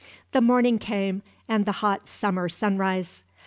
The morning came, and the hot summer sunrise.